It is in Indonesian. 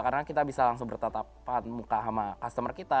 karena kita bisa langsung bertetap muka sama customer kita